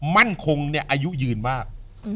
มั่นคงเนี่ยอายุยืนมาก